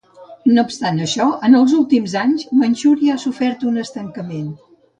No obstant això, en els últims anys, Manxúria ha sofert un estancament.